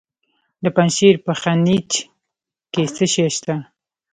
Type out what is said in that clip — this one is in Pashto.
د پنجشیر په خینج کې څه شی شته؟